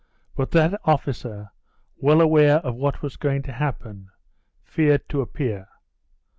But that officer, well aware of what was going to happen, feared to appear.